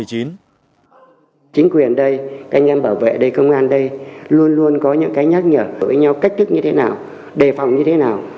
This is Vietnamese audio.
chính quyền ở đây anh em bảo vệ đây công an đây luôn luôn có những cái nhắc nhở với nhau cách thức như thế nào đề phòng như thế nào